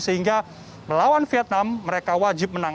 sehingga melawan vietnam mereka wajib menang